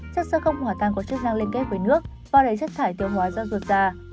chất sơ không hỏa tan có chất năng liên kết với nước vỏ đầy chất thải tiêu hóa do ruột da